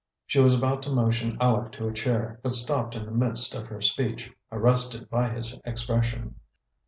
She was about to motion Aleck to a chair, but stopped in the midst of her speech, arrested by his expression.